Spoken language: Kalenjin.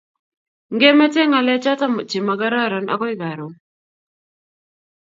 Ngemete ngalechoto chemagororon agoi karoon